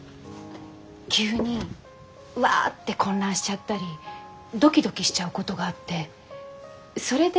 急にワッて混乱しちゃったりドキドキしちゃうことがあってそれで外に出られないの。